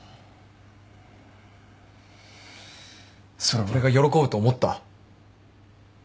それ俺が喜ぶと思った？